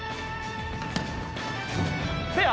フェア？